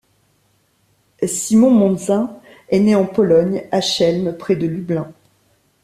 Simon Mondzain est né en Pologne, à Chełm près de Lublin.